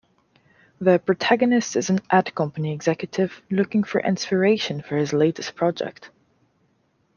The protagonist is an ad company executive looking for inspiration for his latest project.